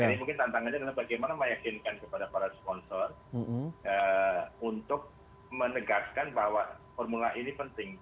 ini mungkin tantangannya adalah bagaimana meyakinkan kepada para sponsor untuk menegaskan bahwa formula e ini penting